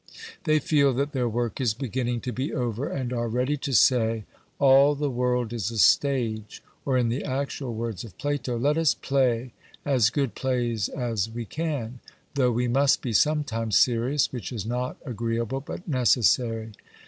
They feel that their work is beginning to be over, and are ready to say, 'All the world is a stage;' or, in the actual words of Plato, 'Let us play as good plays as we can,' though 'we must be sometimes serious, which is not agreeable, but necessary.'